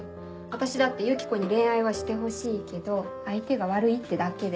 私だってユキコに恋愛はしてほしいけど相手が悪いってだけで。